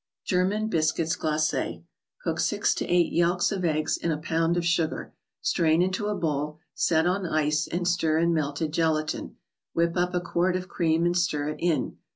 (Kerman Biscuits ©laces. Cook six t0 eight yelks of eggs in a pound of sugar; strain into a bowl; set on ice; and stir in melted gelatine. Whip up a quart of cream, and stir it in.